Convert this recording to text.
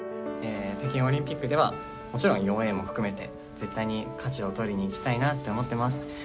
北京オリンピックではもちろん、４Ａも含めて、絶対に勝ちを取りにいきたいなと思っています。